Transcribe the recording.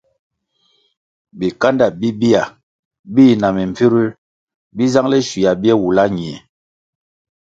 Bikándá bibia bi na mimbviruer bi zangele schuia bie wula ñie.